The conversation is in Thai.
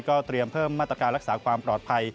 เตรียมเพิ่มมาตรการรักษาความปลอดภัย